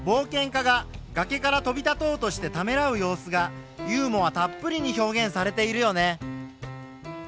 家ががけから飛び立とうとしてためらう様子がユーモアたっぷりに表現されているよね。